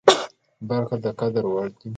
برخې د قدر وړ دي.